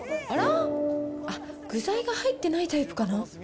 あっ、具材が入ってないタイプかな？